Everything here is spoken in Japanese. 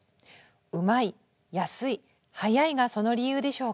うまい安い早いがその理由でしょうか。